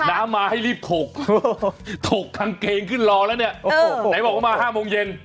น้ำมาให้รีบถกถกกางเกงขึ้นรอแล้วเนี่ยไหนบอกว่ามา๕โมงเย็น